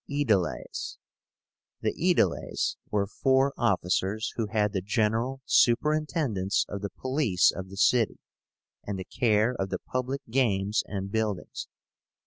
AEDILES. The Aediles were four officers who had the general superintendence of the police of the city, and the care of the public games and buildings.